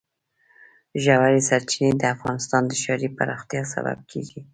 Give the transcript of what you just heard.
ژورې سرچینې د افغانستان د ښاري پراختیا سبب کېږي.